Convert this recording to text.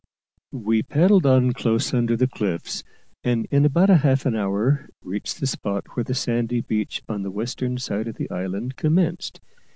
We paddled on close under the cliffs, and in about half an hour reached the spot where the sandy beach on the western side of the island commenced.